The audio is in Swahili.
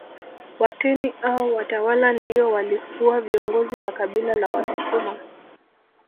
Watemi au watawala ndio walikuwa viongozi wa kabila la Wasukuma